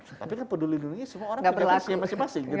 tapi kan peduli lindungi semua orang punya fungsinya masing masing